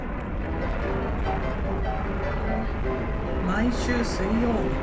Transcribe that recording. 毎週水曜日。